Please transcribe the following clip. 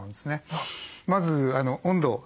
まず温度。